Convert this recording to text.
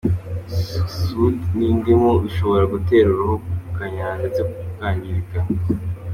soude n’indimu bishobora gutera uruhu gukanyarara ndetse rukangirika.